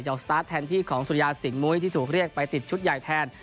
ออกสตาร์ทแทนที่ของสุริยาสิงหมุ้ยที่ถูกเรียกไปติดชุดใหญ่แทน